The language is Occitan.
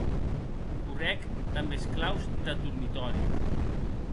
Correc damb es claus entath dormitòri.